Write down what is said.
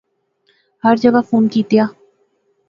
ہر جاغا فون کیتیا